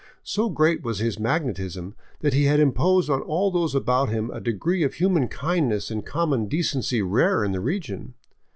So great was his magnetism that he had imposed on all those about him a degree of human kindness and common decency rare in the region.